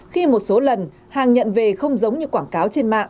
khi một số lần hàng nhận về không giống như quảng cáo trên mạng